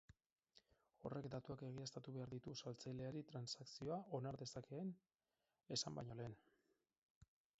Horrek datuak egiaztatu behar ditu saltzaileari transakzioa onar dezakeen esan baino lehen.